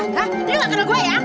lo gak kenal gue ya